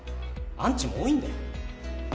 アンチも多いんだよ。